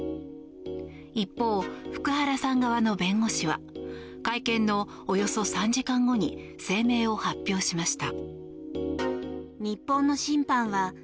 一方、福原さん側の弁護士は会見のおよそ３時間後に声明を発表しました。